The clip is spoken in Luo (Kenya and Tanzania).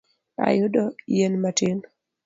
Ayudo yien matin